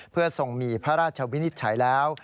เพื่อทรงมีพระราชวินิจฉัยแล้ว